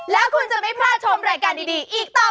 แล้วคุณจะไม่พลาดชมรายการดีอีกต่อ